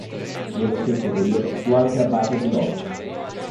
Nello stesso periodo fu anche abate di Lobbes.